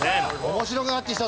面白くなってきたぞ。